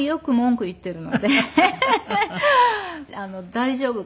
「大丈夫。